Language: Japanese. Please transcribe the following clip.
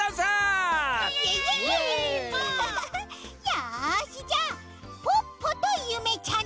よしじゃあポッポとゆめちゃんチーム。